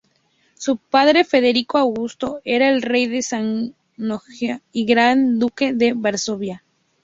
Su padre, Federico Augusto, era el Rey de Sajonia y Gran Duque de Varsovia.